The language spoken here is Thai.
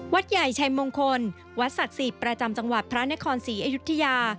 ใหญ่ชัยมงคลวัดศักดิ์สิทธิ์ประจำจังหวัดพระนครศรีอยุธยา